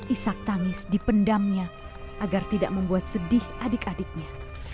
isak tangis dipendamnya agar tidak membuat sedih adik adiknya